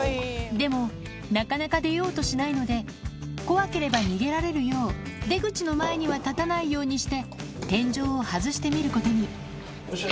でもなかなか出ようとしないので怖ければ逃げられるよう出口の前には立たないようにして天井を外してみることによいしょ。